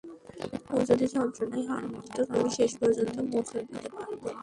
ও যদি যন্ত্রণায় হার মানত আমি শেষ পর্যন্ত মোচড় দিতে পারতুম না।